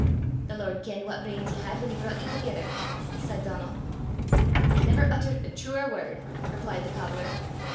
"The Lord kenned what brains ye had whan he broucht ye thegither," said Donal. "Ye never uttert a truer word," replied the cobbler.